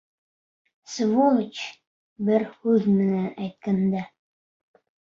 Сволочь, бер һүҙ менән әйткәндә.